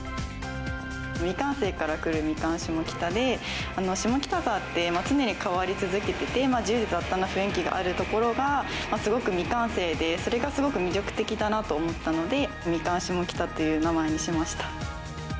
未完成からくるミカン下北で、下北沢って常に変わり続けてて、自由雑多な雰囲気があるところがすごく未完成で、それがすごく魅力的だなと思ったので、ミカン下北っていう名前にしました。